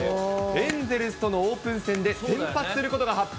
エンゼルスとのオープン戦で先発することが発表。